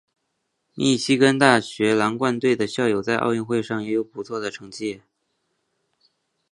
密歇根大学狼獾队的校友在奥运会上也有不错的成绩。